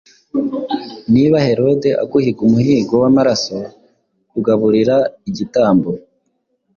Niba Herode aguhiga umuhigo w'amaraso Kugaburira igitambo,